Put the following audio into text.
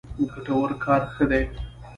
ګټور کار ښه دی.